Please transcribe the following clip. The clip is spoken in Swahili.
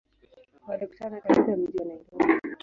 Walikutana katika mji wa Nairobi.